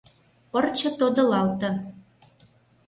Пырче тодылалте.